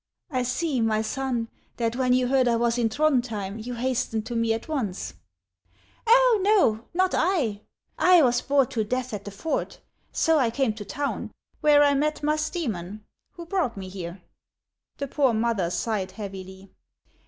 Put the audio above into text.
" I see, my son, that when you heard I was in Thrond hjem you hastened to me at once." " Oh, no ; not I. I was bored to death at the fort ; so I came to town, where I met Musdcemon, who brought me here." The poor mother sighed heavily.